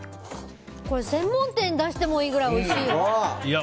これ専門店出してもいいくらいおいしいよ。